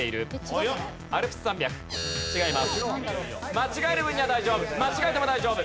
間違える分には大丈夫。